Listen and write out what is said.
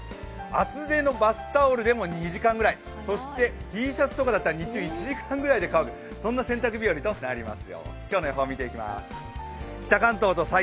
厚手のバスタオルでも２時間ぐらい、Ｔシャツとかだったら日中１時間くらいで乾く洗濯日和となっています。